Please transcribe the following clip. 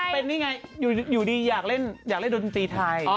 เป็นนี่ไงอยู่ดีอยากเล่นดนตรีไทย